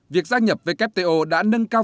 việc gia nhập wto đã nâng cao